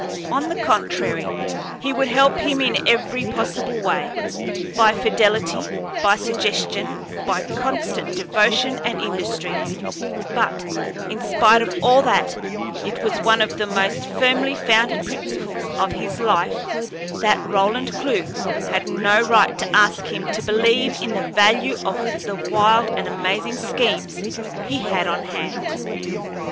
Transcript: On the contrary, he would help him in every possible way by fidelity, by suggestion, by constant devotion and industry; but, in spite of all that, it was one of the most firmly founded principles of his life that Roland Clewe had no right to ask him to believe in the value of the wild and amazing schemes he had on hand.